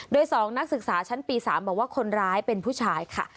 โดย๒นักศึกษาชั้นปี๓บอกว่าคนร้ายเป็นผู้ชายค่ะ